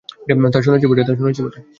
তা শুনেছি বটে।